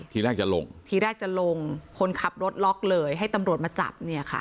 ทีแรกจะลงคนขับรถล็อกเลยให้ตำรวจมาจับ